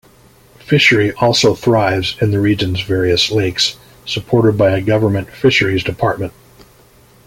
Fishery also thrives in the region's various lakes, supported by a government fisheries department.